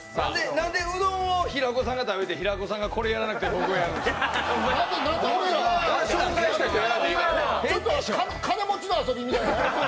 なんで、うどんを平子さんが食べて平子さんがこれやらなくて金持ちの遊びみたい。